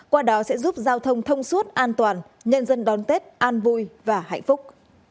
qua đó sẽ giúp giao thông thông suốt an toàn nhân dân đón tết an vui và hạnh phúc